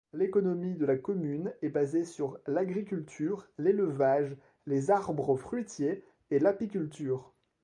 L'économie de la commune est basée sur l'agriculture, l'élevage, les arbres fruitiers et l'apiculture.